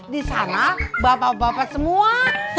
di sana bapak bapak semua